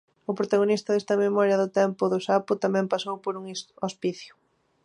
O protagonista desta memoria do tempo do sapo tamén pasou por un hospicio.